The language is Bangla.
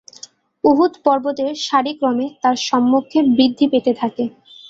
উহুদ পর্বতের সারি ক্রমে তার সম্মুখে বৃদ্ধি পেতে থাকে।